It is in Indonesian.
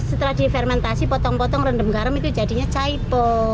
setelah difermentasi potong potong rendam garam itu jadinya chiple